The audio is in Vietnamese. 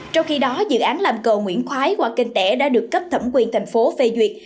trong khi đó dự án làm cầu nguyễn khoái qua kênh tẻ đã được cấp thẩm quyền thành phố phê duyệt